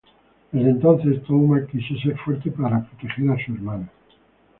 Desde entonces, Touma quiso ser fuerte para proteger a su hermana.